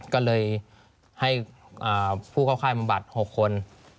ก็เลยให้ผู้เข้าค่ายบำบัด๖คน